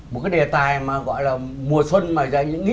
một cái đề tài mà gọi là mùa xuân mà dạy những nghĩa